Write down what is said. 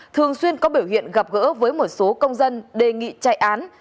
thường xuyên có biểu hiện gặp gỡ với một số công dân đề nghị chạy án